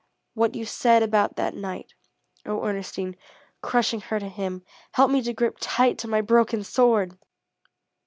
What you said about it that night? Oh, Ernestine" crushing her to him "help me to grip tight to my broken sword!"